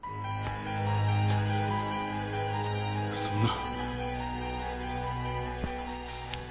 そんな。